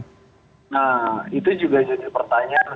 nah itu juga jadi pertanyaan